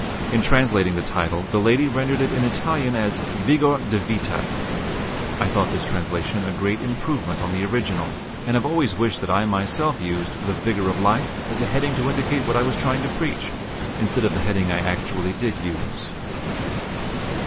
In translating the title the lady rendered it in Italian as Vigor di Vita. I thought this translation a great improvement on the original, and have always wished that I had myself used "The Vigor of Life" as a heading to indicate what I was trying to preach, instead of the heading I actually did use.